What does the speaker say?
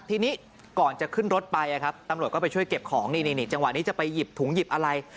ทีนี้ก่อนจะขึ้นรถไปครับตำรวจก็ไปช่วยเก็บของนี่จังหวะนี้จะไปหยิบถุงหยิบอะไร